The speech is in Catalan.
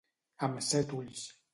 Amb set ulls.